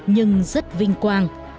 nhưng rất vinh quang